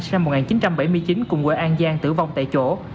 sinh năm một nghìn chín trăm bảy mươi chín cùng quê an giang tử vong tại chỗ